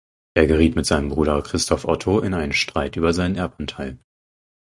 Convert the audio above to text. Er geriet mit seinem Bruder Christoph Otto in einen Streit über seinen Erbanteil.